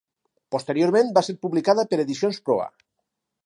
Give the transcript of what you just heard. Posteriorment va ser publicada per Edicions Proa.